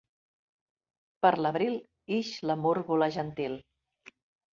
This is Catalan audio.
Per l'abril ix la múrgola gentil.